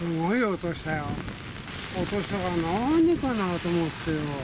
音したから、何かなと思ってよ。